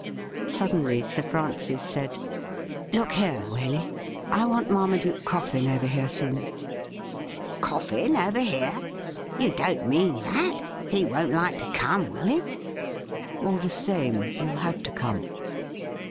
Suddenly Sir Francis said : 'Look here, Waley: I want Maimaduke Coffin over here soon.' ' Coffin over here ? You don't mean that ! He won't like to come, will he ?'' All the same, he'll have to come.'